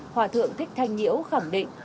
hòa thượng thích thanh nhiễu khẳng định